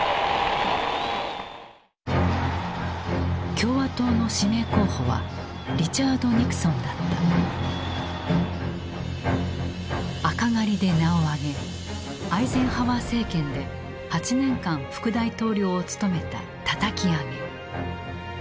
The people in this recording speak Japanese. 共和党の指名候補は赤狩りで名を上げアイゼンハワー政権で８年間副大統領を務めたたたき上げ。